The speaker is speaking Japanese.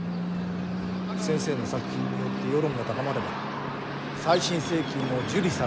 先生の作品によって世論が高まれば再審請求も受理されるかもしれない。